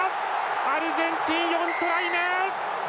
アルゼンチン、４トライ目！